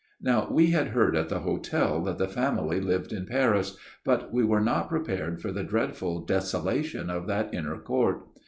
" Now, we had heard at the hotel that the family lived in Paris ; but we were not prepared for the dreadful desolation of that inner court.